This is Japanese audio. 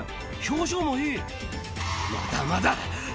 まだまだ。